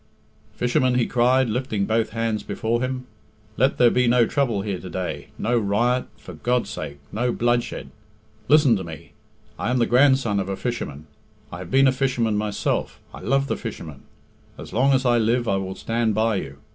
"Fishermen," he cried, lifting both hands before him, "let there be no trouble here to day, no riot, for God's sake, no bloodshed. Listen to me. I am the grandson of a fisherman; I have been a fisherman myself; I love the fishermen. As long as I live I will stand by you.